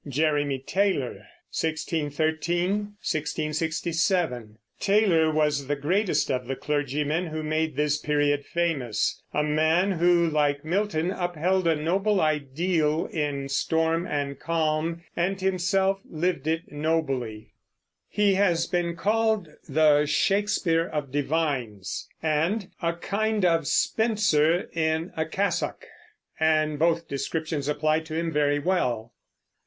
JEREMY TAYLOR (1613 1667). Taylor was the greatest of the clergymen who made this period famous, a man who, like Milton, upheld a noble ideal in storm and calm, and himself lived it nobly. He has been called "the Shakespeare of divines," and "a kind of Spenser in a cassock," and both descriptions apply to him very well.